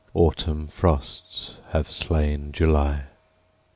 Autumn frosts have slain July.